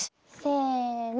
せの。